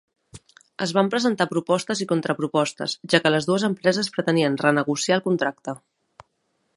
Es van presentar propostes i contrapropostes, ja que les dues empreses pretenien renegociar el contracte.